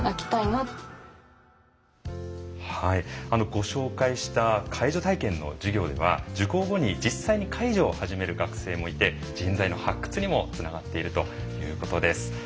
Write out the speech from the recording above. ご紹介した介助体験の授業では、受講後に実際に始める学生もいて人材の発掘にもつながっているということです。